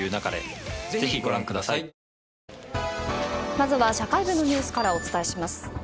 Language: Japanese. まずは社会部のニュースからお伝えします。